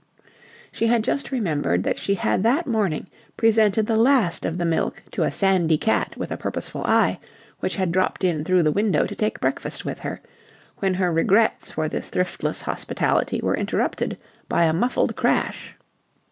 She had just remembered that she had that morning presented the last of the milk to a sandy cat with a purposeful eye which had dropped in through the window to take breakfast with her, when her regrets for this thriftless hospitality were interrupted by a muffled crash.